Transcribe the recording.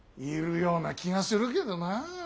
いるような気がするけどなあ。